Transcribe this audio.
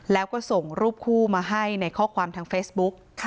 แล้วก็ส่งรูปคู่มาให้ในข้อความทางเฟซบุ๊ก